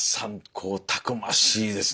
こうたくましいですね。